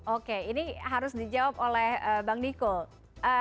oke ini harus dijawab oleh bang niko